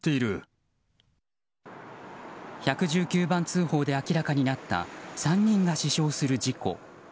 １１９番通報で明らかになった３人が死傷する事故。